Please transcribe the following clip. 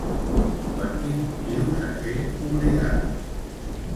Per quin motiu se sent obligada?